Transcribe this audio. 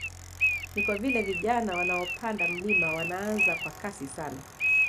Ni kwa vile vijana wanaopanda mlima wanaanza kwa kasi sana